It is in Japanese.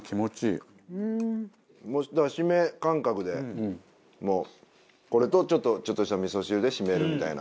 締め感覚でもうこれとちょっとしたみそ汁で締めるみたいな。